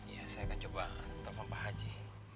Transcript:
ya saya akan coba telepon pak haji